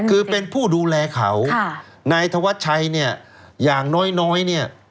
คือเป็นผู้ดูแลเขาค่ะไหนทวัดไชเนี่ยอย่างน้อย